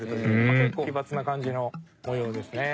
結構奇抜な感じの模様ですね。